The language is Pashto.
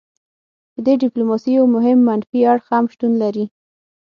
د دې ډیپلوماسي یو مهم منفي اړخ هم شتون لري